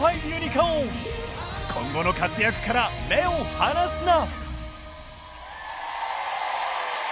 ｃｏｒｎ今後の活躍から目を離すな！